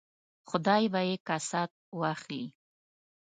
خدای به یې کسات واخلي.